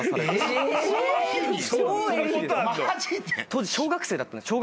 当時小学生だったんです。